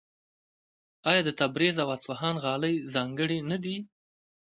آیا د تبریز او اصفهان غالۍ ځانګړې نه دي؟